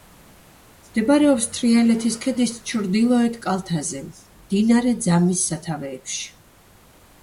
მდებარეობს თრიალეთის ქედის ჩრდილოეთ კალთაზე, მდინარე ძამის სათავეებში.